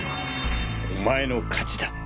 お前の勝ちだ！